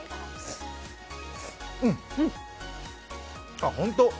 あっ、本当